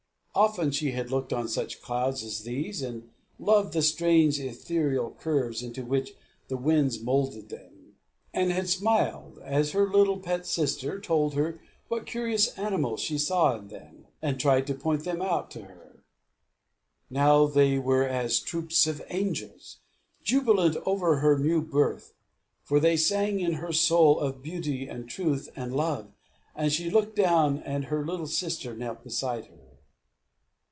Often had she looked on such clouds as these, and loved the strange ethereal curves into which the winds moulded them; and had smiled as her little pet sister told her what curious animals she saw in them, and tried to point them out to her. Now they were as troops of angels, jubilant over her new birth, for they sang, in her soul, of beauty, and truth, and love. She looked down, and her little sister knelt beside her.